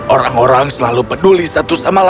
orang orang selalu peduli satu sama lain